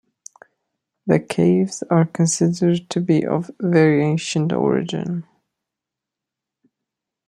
The caves are considered to be of very ancient origin.